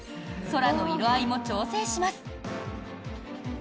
空の色合いも調整します。